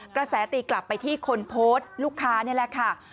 กระแสตีกลับไปที่คนโพสต์ลูกค้านี่แหละค่ะ